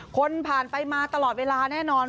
คนผ่านไปมาตลอดเวลาแน่นอน